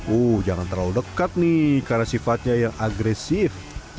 uh jangan terlalu dekat nih karena sifatnya yang agresif